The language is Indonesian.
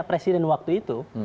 presiden waktu itu